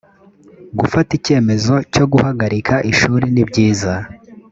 gufata icyemezo cyo guhagarikaishuri nibyiza